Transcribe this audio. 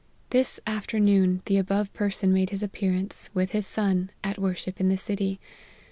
This afternoon the above person made his appearance, with his son, at worship in the city.